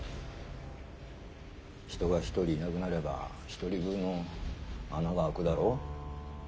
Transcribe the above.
人が１人いなくなれば１人分穴が開くだろ？